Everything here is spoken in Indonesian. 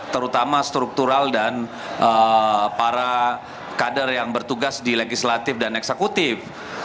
terutama struktural dan para kader yang bertugas di legislatif dan eksekutif